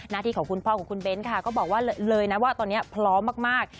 ที่ของคุณพ่อของคุณเบ้นค่ะก็บอกว่าเลยนะว่าตอนนี้พร้อมมาก